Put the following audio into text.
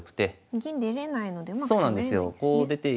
銀出れないのでうまく攻めれないんですね。